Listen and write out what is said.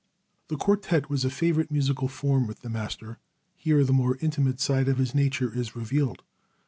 The quartet was a favorite musical form with the master. Here the more intimate side of his nature is revealed.